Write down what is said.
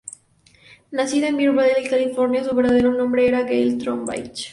Nacida en Bear Valley, California, su verdadero nombre era Gale Trowbridge.